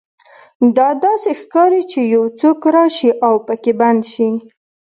دا داسې ښکاري چې یو څوک راشي او پکې بند شي